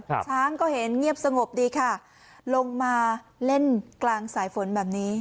ช้างก็เห็นเงียบสงบดีค่ะลงมาเล่นกลางสายฝนแบบนี้